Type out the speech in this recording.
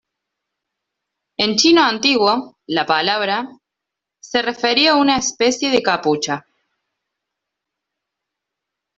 En chino antiguo, la palabra 兜 se refería a una especie de capucha.